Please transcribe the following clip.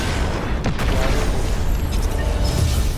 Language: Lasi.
ياڙو ڏي